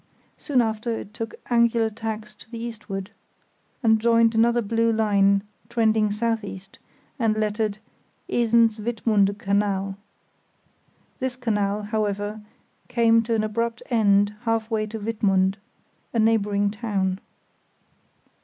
Soon after it took angular tacks to the eastward, and joined another blue line trending south east, and lettered "Esens—Wittmunder Canal." This canal, however, came to an abrupt end halfway to Wittmund, a neighbouring town.